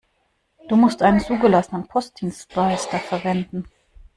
Du musst einen zugelassenen Postdienstleister verwenden.